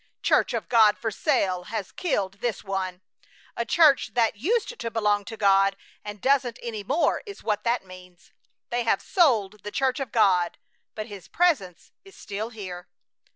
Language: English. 'Church of God for sale' has killed this one! A church that used to belong to God and doesn't any more is what that means. They have sold the Church of God, but His Presence is still here!"